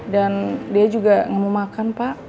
dan dia juga gak mau makan pak